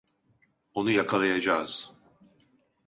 Onu yakalayacağız.